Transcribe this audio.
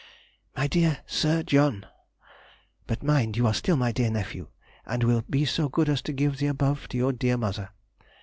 MY DEAR SIR JOHN,— But mind, you are still my dear nephew, and will be so good as to give the above to your dear mother.